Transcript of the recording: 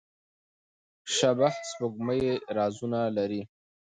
شبح سپوږمۍ رازونه لري.